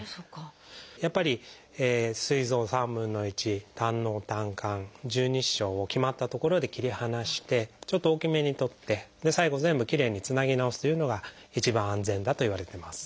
やっぱりすい臓３分の１胆のう胆管十二指腸を決まった所で切り離してちょっと大きめに取って最後全部きれいにつなぎ直すというのが一番安全だといわれてます。